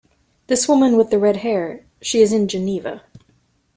This woman with the red hair — she is in Geneva.